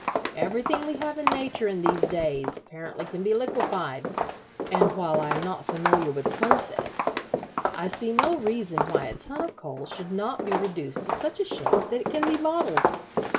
Everything we have in nature in these days apparently can be liquefied, and while I am not familiar with the process, I see no reason why a ton of coal should not be reduced to such a shape that it can be bottled.